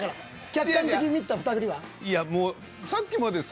客観的に見てた２人は？